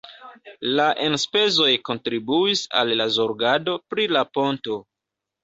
La enspezoj kontribuis al la zorgado pri la ponto.